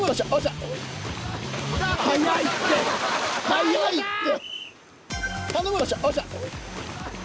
早いって！